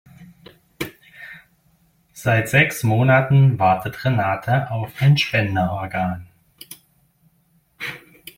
Seit sechs Monaten wartet Renate auf ein Spenderorgan.